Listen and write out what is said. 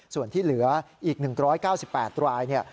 ส่วนที่เหลืออีก๑๙๘ราย